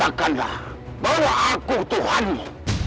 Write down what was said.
katakanlah bahwa aku tuhanmu